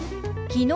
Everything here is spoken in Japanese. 「昨日」。